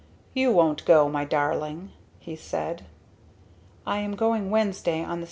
"You won't go, my darling!" he said. "I am going Wednesday on the 7.